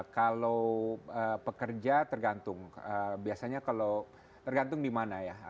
kalau pekerja tergantung biasanya kalau tergantung dimana ya